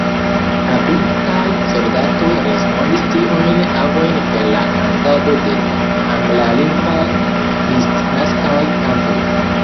La britaj soldatoj respondis tiujn agojn per la kantado de anglalingvaj kristnaskaj kantoj.